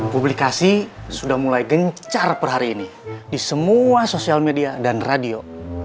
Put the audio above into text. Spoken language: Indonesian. publikasi sudah mulai gencar per hari ini di semua sosial media dan radio